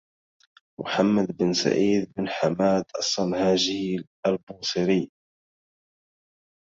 محمد بن سعيد بن حماد الصنهاجي البوصيري